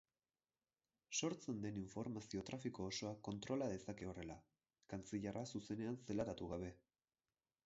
Sortzen den informazio-trafiko osoa kontrola dezake horrela, kantzilerra zuzenean zelatatu gabe.